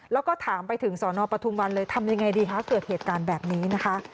แล้วก็ถามไปถึงสนปทุมวันเลยทำยังไงดีคะเกิดเหตุการณ์แบบนี้นะคะ